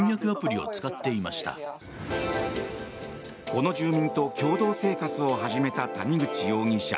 この住民と共同生活を始めた谷口容疑者。